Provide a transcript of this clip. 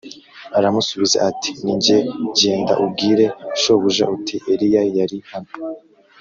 Aramusubiza ati “Ni jye Genda ubwire shobuja uti ‘Eliya ari hano’ ”